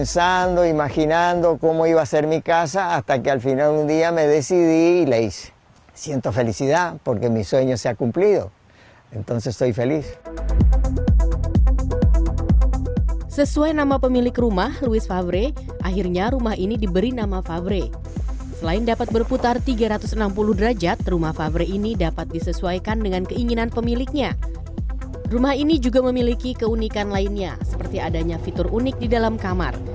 saya berusia enam puluh tahun saya berpikir saya berpikir